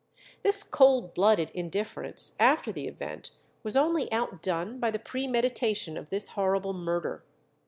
This cold blooded indifference after the event was only outdone by the premeditation of this horrible murder.